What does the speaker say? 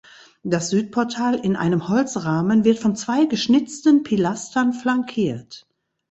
Das Südportal in einem Holzrahmen wird von zwei geschnitzten Pilastern flankiert.